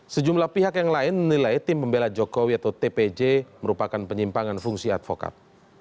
sejumlah pihak yang lain menilai tim pembela jokowi atau tpj merupakan penyimpangan fungsi advokat